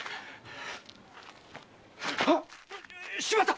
あっ！しまった‼